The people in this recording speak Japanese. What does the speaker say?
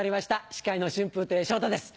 司会の春風亭昇太です。